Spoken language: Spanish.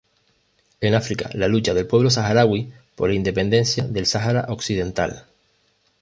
En África, la lucha del pueblo saharaui por la independencia del Sahara Occidental.